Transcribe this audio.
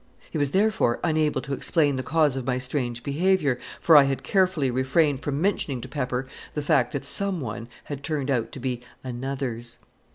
He was therefore unable to explain the cause of my strange behavior, for I had carefully refrained from mentioning to Pepper the fact that Some One had turned out to be Another's.